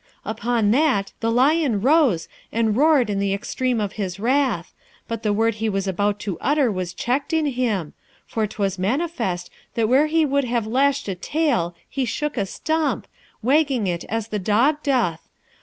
'Upon that, the lion rose, and roared in the extreme of wrath; but the word he was about to utter was checked in him, for 'twas manifest that where he would have lashed a tail he shook a stump, wagging it as the dog doth.